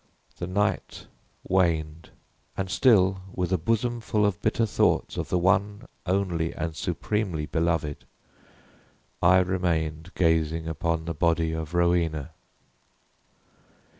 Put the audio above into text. The night waned; and still, with a bosom full of bitter thoughts of the one only and supremely beloved, I remained gazing upon the body of Rowena.